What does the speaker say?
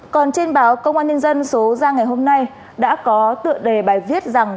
còn trên báo công an nhân dân số ra ngày hôm nay đã có tựa đề bài viết rằng